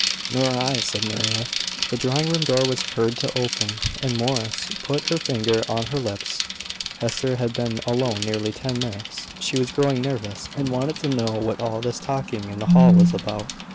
"Nor I," said Maria. The drawing room door was heard to open, and Morris put her finger on her lips. Hester had been alone nearly ten minutes; she was growing nervous, and wanted to know what all this talking in the hall was about.